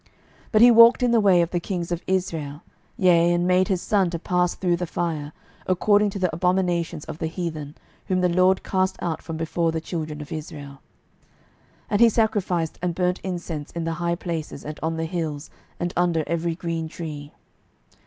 12:016:003 But he walked in the way of the kings of Israel, yea, and made his son to pass through the fire, according to the abominations of the heathen, whom the LORD cast out from before the children of Israel. 12:016:004 And he sacrificed and burnt incense in the high places, and on the hills, and under every green tree.